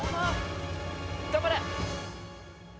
頑張れ！